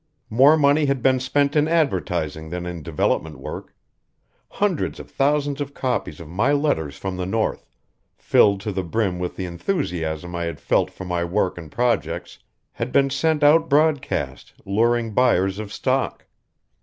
More money had been spent in advertising than in development work. Hundreds of thousands of copies of my letters from the north, filled to the brim with the enthusiasm I had felt for my work and projects, had been sent out broadcast, luring buyers of stock.